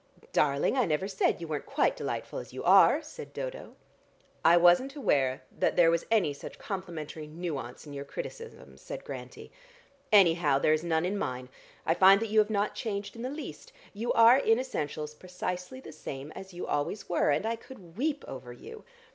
"Darling, I never said you weren't quite delightful as you are," said Dodo. "I wasn't aware that there was any such complimentary nuance in your criticisms," said Grantie. "Anyhow there is none in mine. I find that you have not changed in the least: you are in essentials precisely the same as you always were, and I could weep over you.